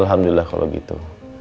alhamdulillah kalau gitu